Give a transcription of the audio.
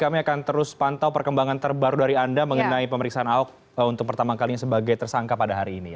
kami akan terus pantau perkembangan terbaru dari anda mengenai pemeriksaan ahok untuk pertama kalinya sebagai tersangka pada hari ini